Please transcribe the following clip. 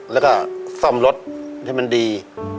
แล้วก็ซ่อมรถที่เหมือนดี